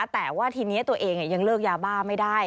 แต่ว่าทีนี้ตัวเองยังเลิกยาบ้าไม่ได้